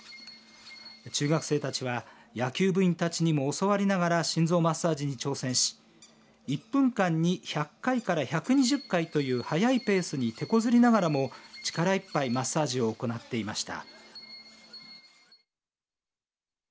中学生たちは野球部員たちにも教わりながら心臓マッサージに挑戦し１分間に１００回から１２０回という速いペースにてこずりながらもず力いっぱいマッサージを行っていました。